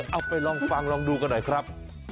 เอาไปลองฟังลองดูกันหน่อยครับ